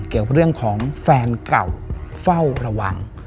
เกี่ยวกับเรื่องของแฟนเก่าเฝ้าระวัง